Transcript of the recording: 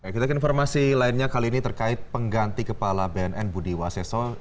kita ke informasi lainnya kali ini terkait pengganti kepala bnn budi waseso